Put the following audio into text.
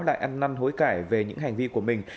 lại ăn năn hối cải về những hành vi của mình